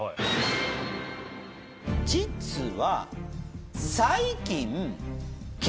実は。